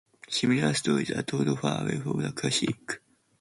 Similar stories are told far away from the classic lands of Italy and Greece.